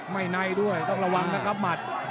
ไม่ในด้วยต้องระวังนะครับหมัด